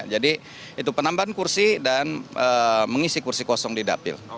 jadi itu penambahan kursi dan mengisi kursi kosong di dapil